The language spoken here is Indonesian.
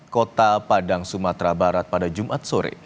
kota padang sumatera barat pada jumat sore